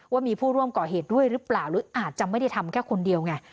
ว่ามีผู้ร่วมก่อเหตุด้วยหรือเปล่าหรืออาจจะไม่ได้ทำแค่คนเดียวไง